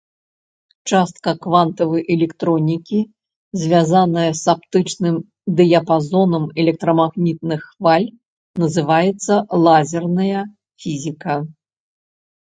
Частка квантавай электронікі, звязаная з аптычным дыяпазонам электрамагнітных хваль, называецца лазерная фізіка.